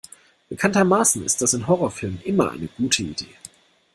Bekanntermaßen ist das in Horrorfilmen immer eine gute Idee.